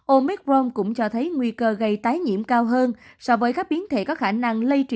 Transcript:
omicron cũng cho thấy nguy cơ gây tái nhiễm cao hơn so với các biến thể khác